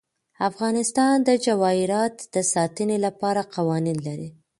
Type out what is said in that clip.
افغانستان د جواهرات د ساتنې لپاره قوانین لري.